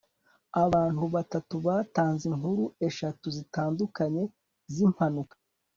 abantu batatu batanze inkuru eshatu zitandukanye zimpanuka